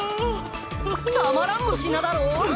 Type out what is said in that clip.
たまらんの品だろ？